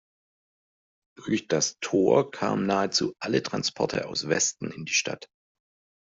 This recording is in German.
Durch das Tor kamen nahezu alle Transporte aus Westen in die Stadt.